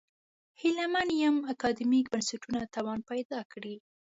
هیله من یم اکاډمیک بنسټونه توان پیدا کړي.